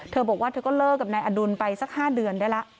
เธอบอกว่าเธอก็เลิกกับนายอดุลไปสัก๕เดือนได้แล้ว